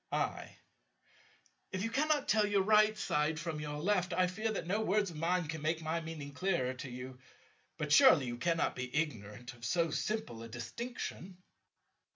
I. If you cannot tell your right side from your left, I fear that no words of mine can make my meaning clearer to you. But surely you cannot be ignorant of so simple a distinction.